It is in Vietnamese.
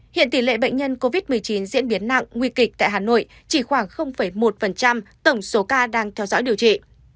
hiện tỷ lệ bệnh nhân covid một mươi chín diễn biến nặng nguy kịch tại hà nội chỉ khoảng một tổng số ca đang theo dõi điều trị